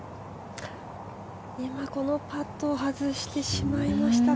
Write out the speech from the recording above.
このパットを外してしまいましたか。